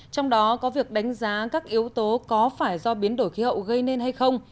trong đó có việc đánh giá các yếu tố có phải do biến đổi khí hậu gây nên hay không